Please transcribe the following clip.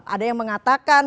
ada yang mengatakan